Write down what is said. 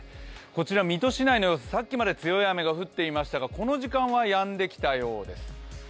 こちら水戸市内の様子、さっきまで強い雨が降っていましたが、この時間はやんできたようです。